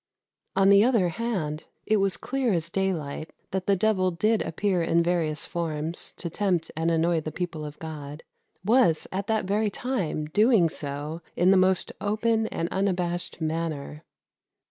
On the other hand, it was clear as daylight that the devil did appear in various forms to tempt and annoy the people of God was at that very time doing so in the most open and unabashed manner.